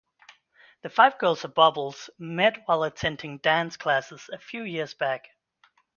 The five girls of Bubbles met while attending dance classes a few years back.